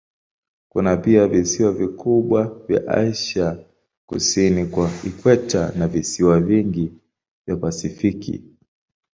Kuna pia visiwa vikubwa vya Asia kusini kwa ikweta na visiwa vingi vya Pasifiki.